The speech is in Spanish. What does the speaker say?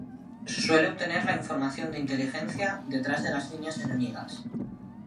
Suele obtener la información de inteligencia detrás de las líneas enemigas.